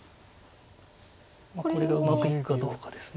これがうまくいくかどうかです。